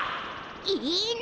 いいね。